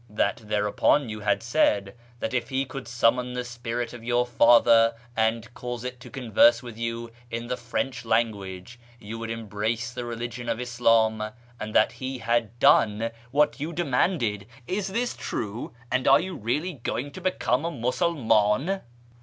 That thereupon you had said that if he could summon the spirit of your father and cause it to converse with you in the French language, you would embrace the religion of Islam ; and that he had done "what you demanded. Is this true ? and are you really going to become a Musulniiin